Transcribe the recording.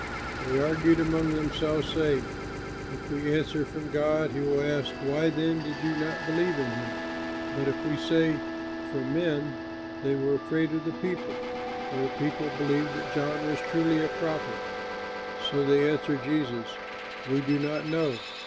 They argued among themselves, saying, "If we answer, 'From God,' he will ask, 'Why then did you not believe in him?' But if we say, 'From men'" they were afraid of the people, for the people believed that John was truly a prophet. So they answered Jesus, "We do not know."